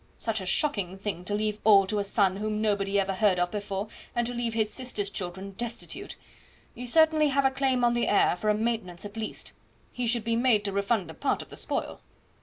Such a shocking thing to leave all to a son whom nobody ever heard of before, and to leave his sister's children destitute. You certainly have a claim on the heir, for a maintenance at least. He should be made to refund a part of the spoil."